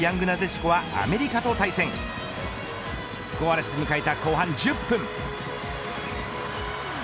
スコアレスで迎えた後半１０分。